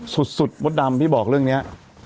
สุดมดดำพี่บอกเรื่องนี้